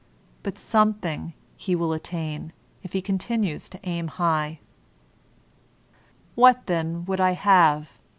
But something he will at tain, if he continues to aim high. What, then, would I have